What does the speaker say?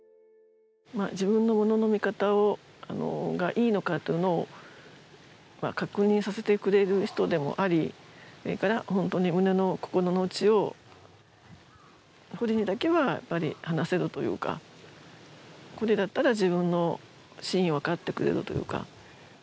自分の物の見方がいいのかというのを確認させてくれる人でもあり、それから胸の、心の内を堀にだけは話せるというか、これだったら自分の真意を分かってくれるというか。